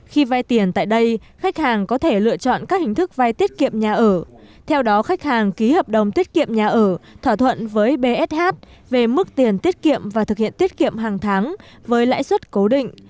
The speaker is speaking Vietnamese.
khi vay tiền tại đây khách hàng có thể lựa chọn các hình thức vay tiết kiệm nhà ở theo đó khách hàng ký hợp đồng tiết kiệm nhà ở thỏa thuận với bsh về mức tiền tiết kiệm và thực hiện tiết kiệm hàng tháng với lãi suất cố định